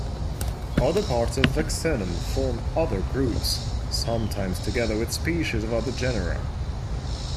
Other parts of "Vaccinium" form other groups, sometimes together with species of other genera.